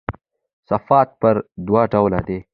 صفات پر دوه ډوله دي.